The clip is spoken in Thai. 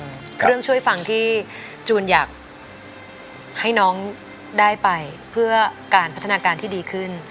เครื่องช่วยฟังที่จูนอยากให้น้องได้ไปเพื่อการพัฒนาการที่ดีขึ้น